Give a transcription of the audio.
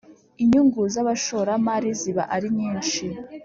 Inyungu z ‘abashoramari ziba arinyishi.